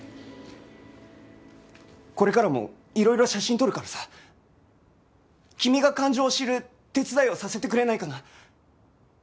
これからもいろいろ写真撮るからさ君が感情を知る手伝いをさせてくれないかな？